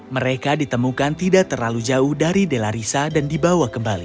mereka ditemukan tidak terlalu jauh dari delarissa dan dibawa kembali